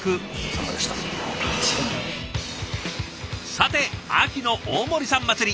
さて秋の大盛りさん祭り。